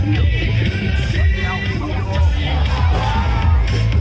เราไม่เคยอยากรู้